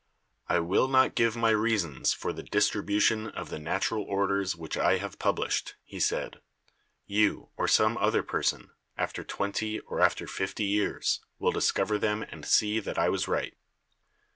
'I will not give my reasons for the distribution of the natural orders which I have published,' he said; 'y° u > or some other person, after twenty or after fifty years, will discover them and see that I was right.'